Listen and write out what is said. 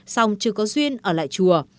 xong chưa có duyên ở lại chùa